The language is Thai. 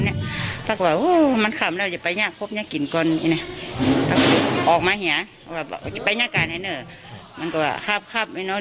แล้าก็มันจะด้ายบอกน่ะว่าย้งตรงไหนน่ะ